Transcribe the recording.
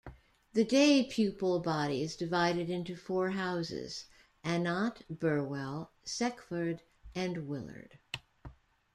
The day pupil body is divided into four houses, Annott, Burwell, Seckford and Willard.